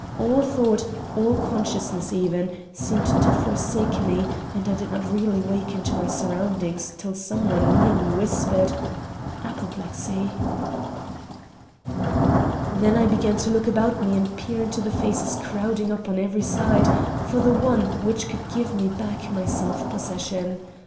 All thought, all consciousness even, seemed to forsake me, and I did not really waken to my surroundings till some one near me whispered: "Apoplexy!" Then I began to look about me and peer into the faces crowding up on every side, for the only one which could give me back my self possession.